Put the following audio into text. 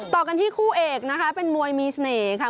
ต่อกันที่คู่เอกนะคะเป็นมวยมีเสน่ห์ค่ะ